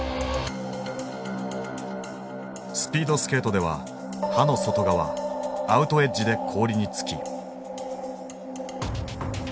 スピードスケートでは刃の外側アウトエッジで氷に着き。